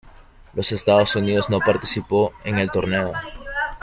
Los Estados Unidos no participó en el torneo.